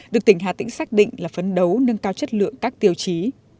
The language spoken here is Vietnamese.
được tỉnh hà tĩnh xác định là phấn đấu nâng cao chất lượng các tiêu chí